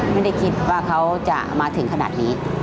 ไม่ได้คิดว่าเขาจะมาถึงขนาดนี้